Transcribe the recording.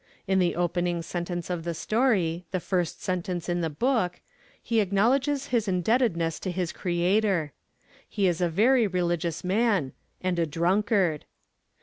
In the opening sentence of the story, the first sentence in the book, he acknowledges his indebtedness to his Creator. He is a very religious man and a drunkard!